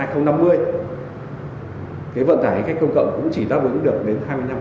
cái vận tải hành khách công cộng cũng chỉ đáp ứng được đến hai mươi năm